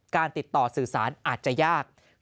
การติดต่อสื่อสารอาจจะยาก